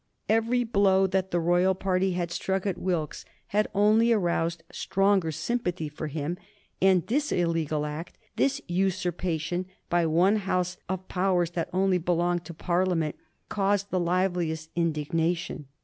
Every blow that the royal party had struck at Wilkes had only aroused stronger sympathy for him; and this illegal act, this usurpation by one House of powers that only belonged to Parliament, caused the liveliest indignation.